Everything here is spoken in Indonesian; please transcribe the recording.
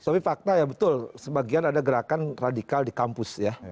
tapi fakta ya betul sebagian ada gerakan radikal di kampus ya